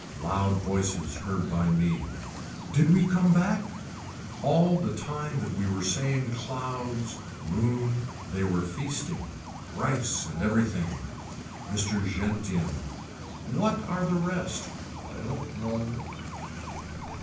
Loud voices heard by me. Did we come back. All the time that we were saying clouds moon they were feasting. Rice and everything. Mr. Gentian. What are the rest. I don't know.